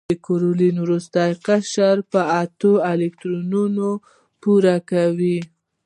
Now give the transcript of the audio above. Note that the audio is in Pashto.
کلورین وروستی قشر په اته الکترونونه پوره کوي.